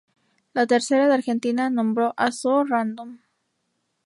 La Tercera de Argentina nombró a "So Random!